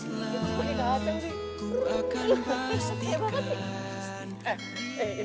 ini tebak banget sih